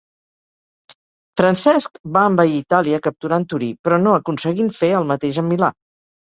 Francesc va envair Itàlia, capturant Torí però no aconseguint fer el mateix amb Milà.